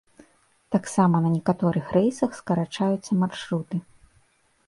Таксама на некаторых рэйсах скарачаюцца маршруты.